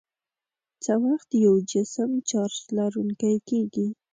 څه وخت یو جسم چارج لرونکی کیږي؟